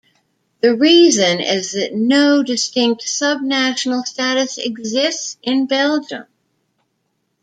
The reason is that no distinct sub-national status exists in Belgium.